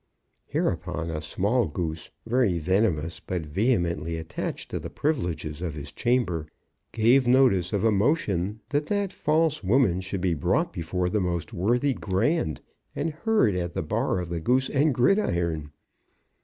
Hereupon a small Goose, very venomous, but vehemently attached to the privileges of his chamber, gave notice of a motion that that false woman should be brought before the Most Worthy Grand, and heard at the bar of the "Goose and Gridiron."